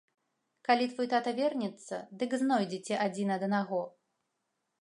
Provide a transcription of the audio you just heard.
Калі твой тата вернецца, дык знойдзеце адзін аднаго.